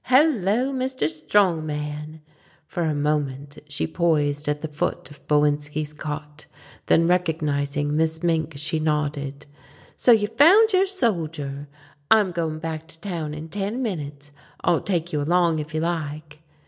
Hello, Mr. Strong Man!" For a moment she poised at the foot of Bowinski's cot, then recognizing Miss Mink she nodded: "So you found your soldier? I'm going back to town in ten minutes, I'll take you along if you like."